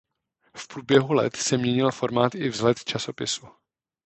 V průběhu let se měnil formát i vzhled časopisu.